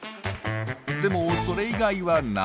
でもそれ以外は謎。